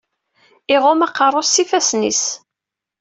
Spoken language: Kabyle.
Iɣumm aqerru-s s yifassen-is.